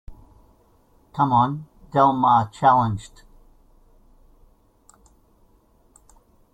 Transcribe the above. Come on, Del Mar challenged.